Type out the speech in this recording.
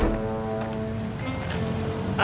assalamualaikum warahmatullahi wabarakatuh